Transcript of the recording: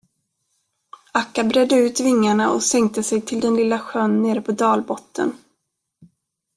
Akka bredde ut vingarna och sänkte sig till den lilla sjön nere på dalbottnen.